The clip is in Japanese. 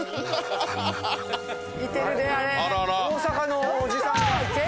大阪のおじさんが。